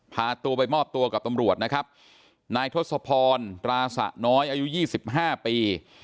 พาตัวไปมอบตัวกับตำรวจนะครับนายทศพรตราสะน้อยอายุ๒๕ปี